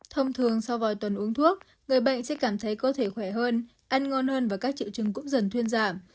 thông thường sau vài tuần uống thuốc người bệnh sẽ cảm thấy có thể khỏe hơn ăn ngon hơn và các triệu chứng cũng dần thuyên giảm